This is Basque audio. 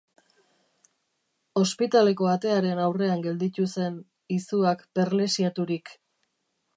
Ospitaleko atearen aurrean gelditu zen, izuak perlesiaturik.